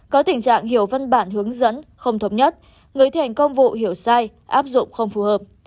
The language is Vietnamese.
có tình trạng hiểu văn bản hướng dẫn không thống nhất người thi hành công vụ hiểu sai áp dụng không phù hợp